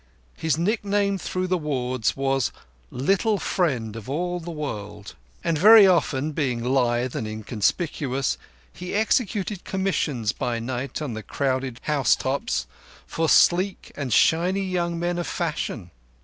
His nickname through the wards was "Little Friend of all the World"; and very often, being lithe and inconspicuous, he executed commissions by night on the crowded housetops for sleek and shiny young men of fashion.